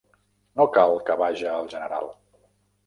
No cal que vaja el General.